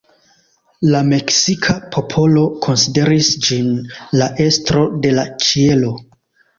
La meksika popolo konsideris ĝin la estro de la ĉielo.